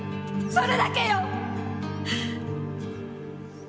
それだけよ！